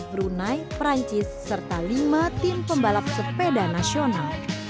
brunei perancis serta lima tim pembalap sepeda nasional